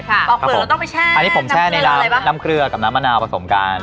เปลือกต้องไปแช่อันนี้ผมแช่ในน้ำน้ำเกลือกับน้ำมะนาวผสมกัน